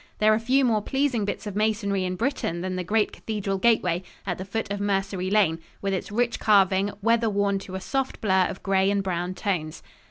There are few more pleasing bits of masonry in Britain than the great cathedral gateway at the foot of Mercery Lane, with its rich carving, weather worn to a soft blur of gray and brown tones.